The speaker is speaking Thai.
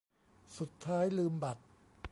สุดท้ายลืมบัตร